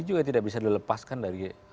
juga tidak bisa dilepaskan dari